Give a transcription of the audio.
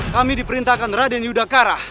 kami diperintahkan raden yudhakara